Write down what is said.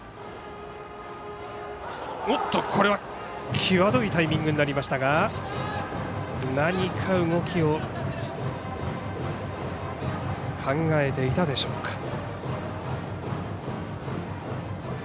これは際どいタイミングになりましたが何か動きを考えていたでしょうか。